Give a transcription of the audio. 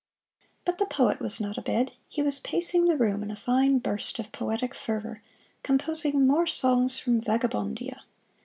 But the poet was not abed he was pacing the room in a fine burst of poetic fervor, composing "More Songs From Vagabondia."